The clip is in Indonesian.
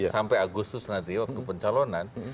sampai agustus nanti waktu pencalonan